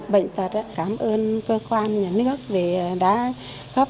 bệnh tật cảm ơn cơ quan nhà nước đã cấp bệnh tật